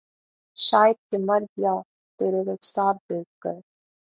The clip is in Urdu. شاید کہ مر گیا ترے رخسار دیکھ کر